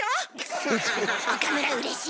岡村うれしい？